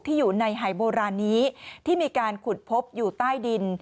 อยู่ในหายโบราณนี้ที่มีการขุดพบอยู่ใต้ดิน